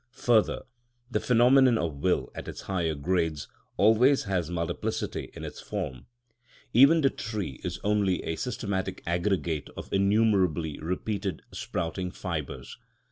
Further, the phenomenon of will at its higher grades always has multiplicity in its form. Even the tree is only a systematic aggregate of innumerably repeated sprouting fibres.